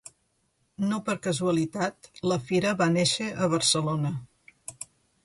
No per casualitat, la fira va néixer a Barcelona.